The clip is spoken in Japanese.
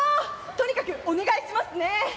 とにかくお願いしますね！